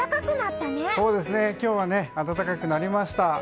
今日は暖かくなりました。